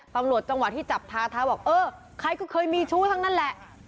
นี่ตำรวจจังหวะที่จับทาว่าเอ้อใครก็เคยมีชู้ทั้งนั้นแหละ